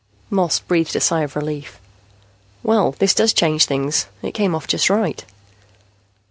Moss breathed a sigh of relief. "Well, this does change things. It came off just right."